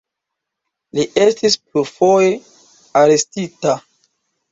Li estis plurfoje arestita.